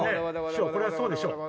師匠これはそうでしょう。